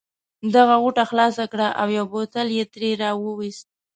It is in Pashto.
ده غوټه خلاصه کړه او یو بوتل یې ترې را وایست.